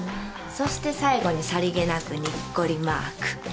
そして最後にさりげなくにっこりマーク。